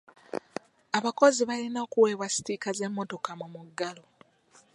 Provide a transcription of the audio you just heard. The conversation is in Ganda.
Abakozi balina okuweebwa sitiika z'emmotoka mu muggalo.